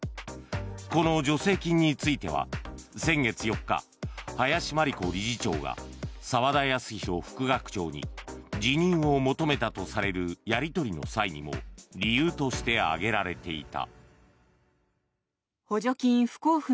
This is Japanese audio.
この助成金については先月４日林真理子理事長が澤田康広副学長に辞任を求めたとされるやり取りの際にも理由として挙げられていた。